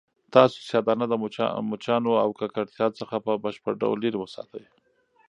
تاسو سیاه دانه د مچانو او ککړتیا څخه په بشپړ ډول لیرې وساتئ.